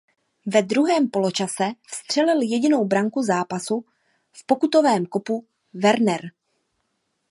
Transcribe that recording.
Ve druhém poločase vstřelil jedinou branku zápasu z pokutového kopu Werner.